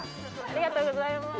ありがとうございます。